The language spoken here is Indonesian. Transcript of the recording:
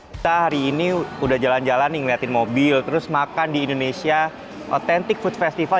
kita hari ini udah jalan jalan nih ngeliatin mobil terus makan di indonesia authentic food festival